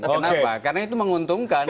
kenapa karena itu menguntungkan